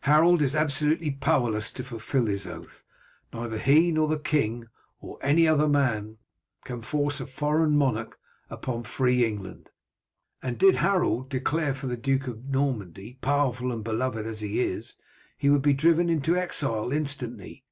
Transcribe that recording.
Harold is absolutely powerless to fulfil his oath. Neither he nor the king, nor any other man, can force a foreign monarch upon free England. And did Harold declare for the Duke of Normandy, powerful and beloved as he is, he would be driven into exile instantly.